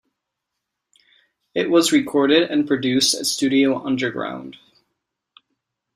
It was recorded and produced at Studio Underground.